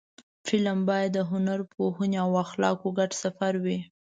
فلم باید د هنر، پوهنې او اخلاقو ګډ سفر وي